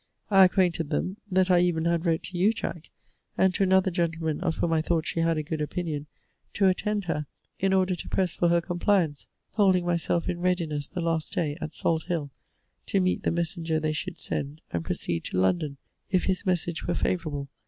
I acquainted them, that I even had wrote to you, Jack, and to another gentleman of whom I thought she had a good opinion, to attend her, in order to press for her compliance; holding myself in readiness the last day, at Salt hill, to meet the messenger they should send, and proceed to London, if his message were favourable.